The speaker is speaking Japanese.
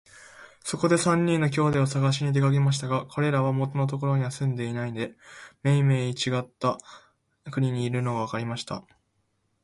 そこで三人の兄弟をさがしに出かけましたが、かれらは元のところには住んでいないで、めいめいちがった国にいるのがわかりました。